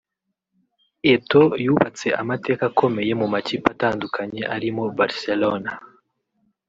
Eto’o yubatse amateka akomeye mu makipe atandukanye arimo Barcelona